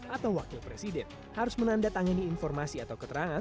atau wakil presiden harus menandatangani informasi atau keterangan